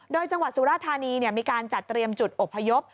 โดยจังหวัดสุราธานีมีการจัดเตรียมจุดอบพยพ